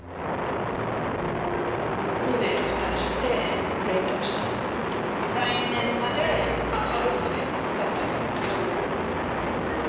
ほんで蓋して冷凍して来年まで春まで使ったらいいと思う。